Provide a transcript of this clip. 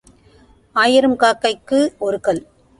ஆயிரம் காக்கைக்கு ஒரு கல்.